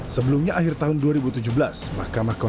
sebelumnya akhir tahun dua ribu tujuh belas